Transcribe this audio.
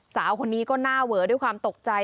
สาวคนนี้ก็หน้าเวอด้วยความตกใจ